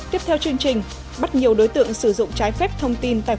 tiếp theo chương trình bắt nhiều đối tượng sử dụng trái phép thông tin tại quốc gia